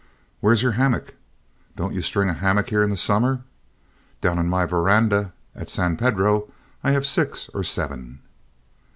"Where's your hammock? Don't you string a hammock here in summer? Down on my veranda at San Pedro I have six or seven."